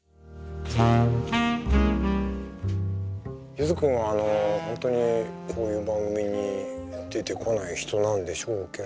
ゆづ君はあの本当にこういう番組に出てこない人なんでしょうけれども。